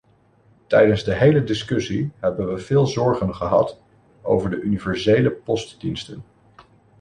Tijdens de hele discussie hebben we veel zorgen gehad over de universele postdiensten.